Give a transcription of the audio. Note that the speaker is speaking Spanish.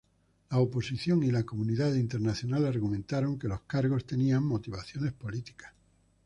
La oposición y la comunidad internacional argumentaron que los cargos tenían motivaciones políticas.